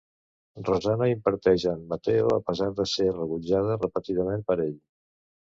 Rosana inverteix en Matteo a pesar de ser rebutjada repetidament per ell.